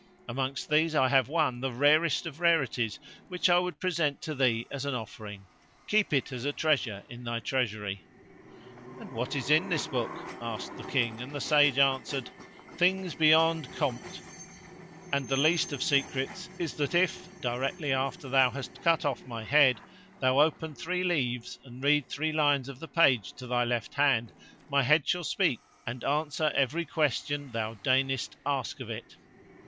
Amongst these I have one, the rarest of rarities, which I would present to thee as an offering: keep it as a treasure in thy treasury." "And what is in the book?" asked the King and the Sage answered, "Things beyond compt; and the least of secrets is that if, directly after thou hast cut off my head, thou open three leaves and read three lines of the page to thy left hand, my head shall speak and answer every question thou deignest ask of it."